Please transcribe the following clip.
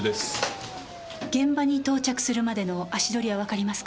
現場に到着するまでの足取りはわかりますか？